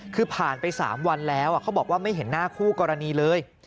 คือผ่านไป๓วันแล้วเขาบอกว่าไม่เห็นหน้าคู่กรณีเลย